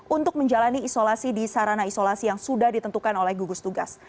untuk menjalani isolasi di sarana isolasi yang sudah ditentukan oleh gugus tugas